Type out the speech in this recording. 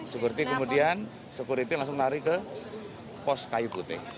sekuriti kemudian sekuriti langsung lari ke pos kayu butih